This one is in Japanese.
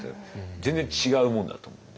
全然違うもんだと思うんで。